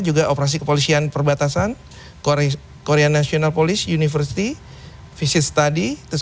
juga operasi kepolisian perbatasan korea korea national police university visit tadi terus